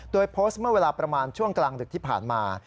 โดยโพสต์เมื่อเวลาประมาณช่วงกลางดึกที่ผ่านมา